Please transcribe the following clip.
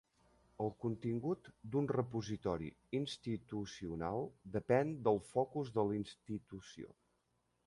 El contingut d'un repositori institucional depèn del focus de la institució.